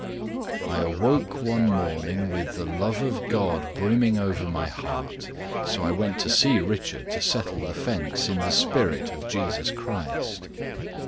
I awoke one morning with the love of God Brimming over my heart, so I went to see Richard To settle the fence in the spirit of Jesus Christ.